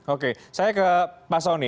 oke saya ke pak soni